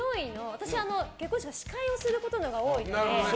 私は結婚式の司会をすることが多いので。